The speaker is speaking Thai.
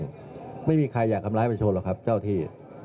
ทำร้ายประโยชน์หรอกครับเจ้าที่